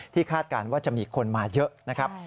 คาดการณ์ว่าจะมีคนมาเยอะนะครับ